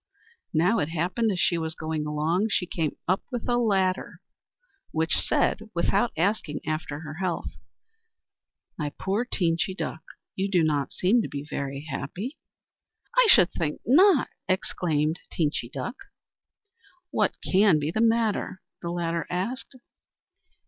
Now it happened, as she was going along, she came up with a Ladder, which said, without asking after her health: "My poor Teenchy Duck! You do not seem to be very happy." "I should think not!" exclaimed Teenchy Duck. "What can the matter be?" the Ladder asked.